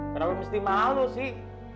kenapa mesti mahal lo sih